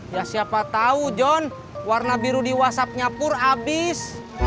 ya siapa tau john warna biru di whatsappnya pur abis